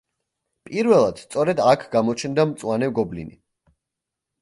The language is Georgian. პირველად სწორედ აქ გამოჩნდა მწვანე გობლინი.